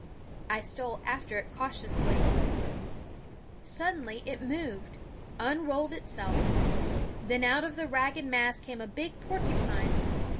I stole after it cautiously. Suddenly it Jtf Lazy moved, unrolled itself. Then out of the ragged mass came a big porcupine.